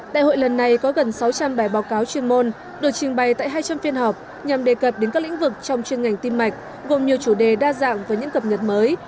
đại hội lần này có gần sáu trăm linh bài báo cáo chuyên môn được trình bày tại hai trăm linh phiên họp nhằm đề cập đến các lĩnh vực trong chuyên ngành tim mạch gồm nhiều chủ đề đa dạng với những cập nhật mới